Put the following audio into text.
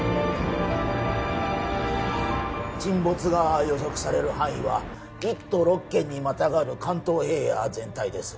沈没が予測される範囲は一都六県にまたがる関東平野全体です